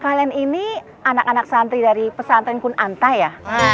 kalian ini anak anak santri dari pesantren kunanta ya